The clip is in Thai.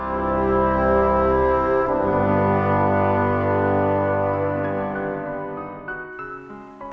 โปรดติดตามตอนต่อไป